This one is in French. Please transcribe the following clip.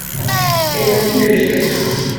Elle m’a dit que j’étais saoul.